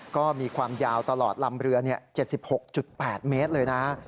ก็มีความยาวตลอดลำเรือ๗๖๘เมตรเลยนะ